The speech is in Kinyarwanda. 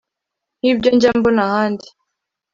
nk’ibyo njya mbona ahandi